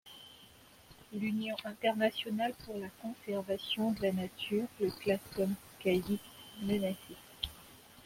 L'Union internationale pour la conservation de la nature le classe comme quasi-menacé.